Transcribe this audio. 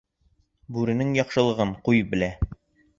Бүренең «яҡшылығын» ҡуй белә.